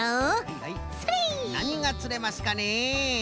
なにがつれますかね？